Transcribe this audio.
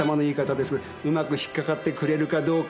うまく引っ掛かってくれるかどうか。